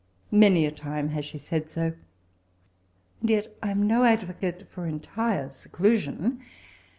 Many a time has she said so ; and yet I am no advocate for entire seclusion.